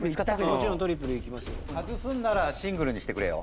もちろんトリプルいきますよ。